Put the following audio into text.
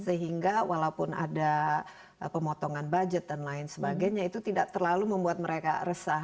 sehingga walaupun ada pemotongan budget dan lain sebagainya itu tidak terlalu membuat mereka resah